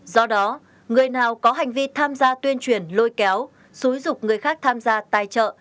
do đó người nào có hành vi tham gia tuyên truyền lôi kéo xúi dục người khác tham gia tài trợ